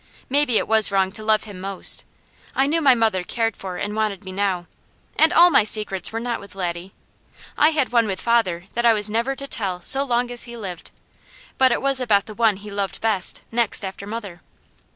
Maybe it was wrong to love him most. I knew my mother cared for and wanted me now. And all my secrets were not with Laddie. I had one with father that I was never to tell so long as he lived, but it was about the one he loved best, next after mother.